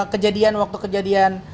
kejadian waktu kejadian terlepas kan